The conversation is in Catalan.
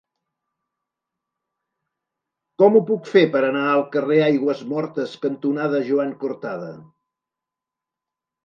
Com ho puc fer per anar al carrer Aigüesmortes cantonada Joan Cortada?